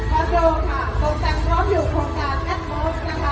ขอโทษค่ะตกแต่งพร้อมอยู่โครงการแมทโมสนะคะ